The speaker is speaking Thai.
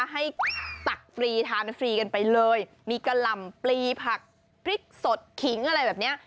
ตักฟรีทานฟรีกันไปเลยมีกะหล่ำปลีผักพริกสดขิงอะไรแบบเนี้ย